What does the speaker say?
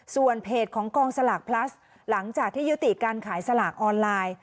ส่วนเพจของกองสลากพลัสหลังจากที่ยุติการขายสลากออนไลน์